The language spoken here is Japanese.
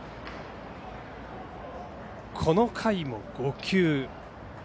この回も５球。